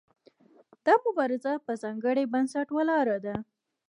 دا مبارزه په ځانګړي بنسټ ولاړه ده.